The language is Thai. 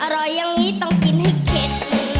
อย่างนี้ต้องกินให้เข็ด